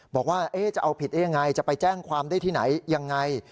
บอกว่าจะเอาผิดได้ยังไงจะไปแจ้งความได้ที่ไหนยังไง